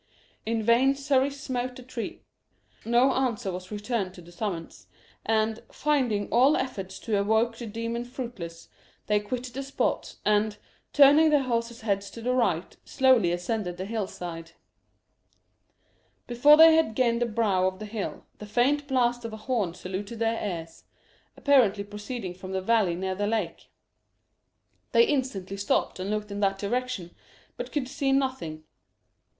In vain Surrey smote the tree. No answer was returned to the summons; and, finding all efforts to evoke the demon fruitless, they quitted the spot, and, turning their horses' heads to the right, slowly ascended the hill side. Before they had gained the brow of the hill the faint blast of a horn saluted their ears, apparently proceeding from the valley near the lake. They instantly stopped and looked in that direction, but could see nothing.